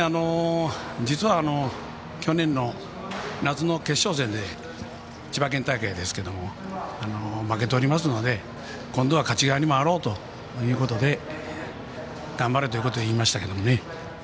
実は去年の夏の決勝戦千葉県大会ですけども負けておりますので今度は勝ち側に回ろうということで頑張れということを言いましたけどね。